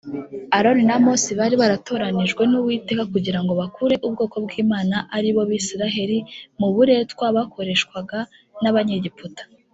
Aroni na mose bari baratoranijwe nuwiteka kugirango bakure ubwoko bwimana aribo bisiraheri muburetwa bakoreshwaga naba nyegiputa.